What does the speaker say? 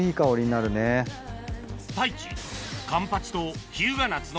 太一